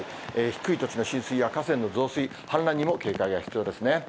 低い土地の浸水や河川の増水、氾濫にも警戒が必要ですね。